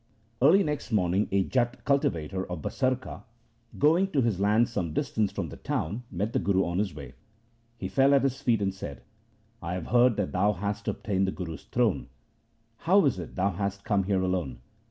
Early next morning a J at cultivator of Basarka, going to his land some distance from the town, met the Guru on the way. He fell at his feet and said, ' I have heard that thou hast obtained the Guru's throne ; how is it thou hast come here alone